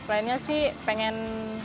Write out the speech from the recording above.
lainnya sih pengen